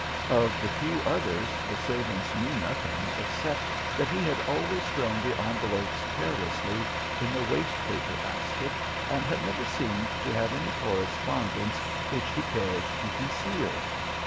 Of the few others, the servants knew nothing except that he had always thrown the envelopes carelessly in the waste paper basket and had never seemed to have any correspondence which he cared to conceal.